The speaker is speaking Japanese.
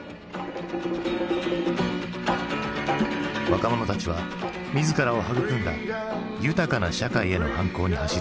若者たちは自らを育んだ豊かな社会への反抗に走り始める。